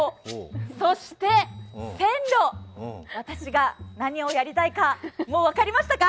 そして線路、私が何をやりたいか、もう分かりましたか？